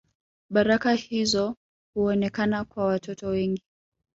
Baraka hizo huonekana kwa watoto wengi